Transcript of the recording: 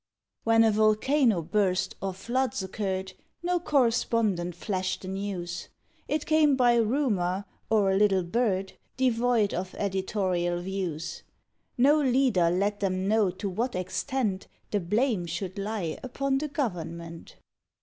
When a volcano burst or floods occurred No correspondent flashed the news; It came by rumour or a little bird, Devoid of editorial views; No leader let them know to what extent The blame should lie upon the Government.